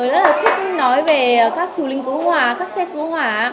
rất là thích nói về các chủ lính cứu hỏa các xe cứu hỏa